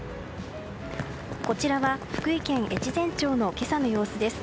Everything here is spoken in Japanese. こちらは福井県越前町の今朝の様子です。